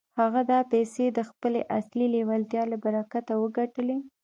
هغه دا پيسې د خپلې اصلي لېوالتيا له برکته وګټلې.